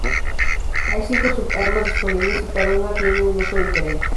Hay cinco sub-armas disponibles y cada una tiene un uso diferente.